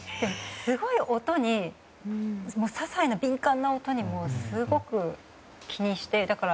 すごい音に、些細な敏感な音にもすごく気にしてて。